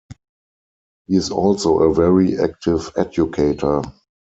He is also a very active educator.